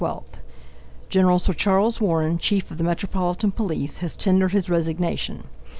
12 Gen. Sir Charles Warren, Chief of the Metropolitan Police, has tendered his resignation.